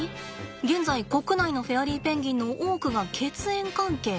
現在国内のフェアリーペンギンの多くが血縁関係なのか。